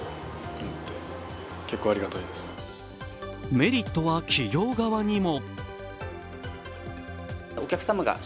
メリットは企業側にも。